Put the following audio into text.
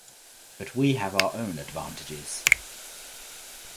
But we have our own advantages.